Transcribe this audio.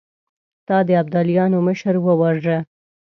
تا د ابداليانو مشر وواژه!